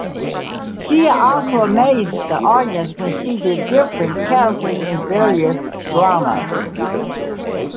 She also amazed the audience when she did different characters in various dramas.